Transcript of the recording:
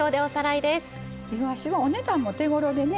いわしはお値段も手ごろでね